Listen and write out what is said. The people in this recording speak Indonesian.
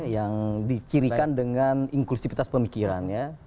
yang dicirikan dengan inklusifitas pemikiran ya